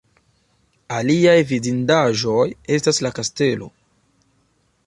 Aliaj vidindaĵoj estas la kastelo.